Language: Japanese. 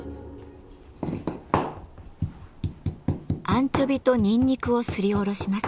アンチョビとニンニクをすりおろします。